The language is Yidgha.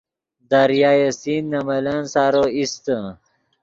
دریائے سندھ نے ملن سارو ایستے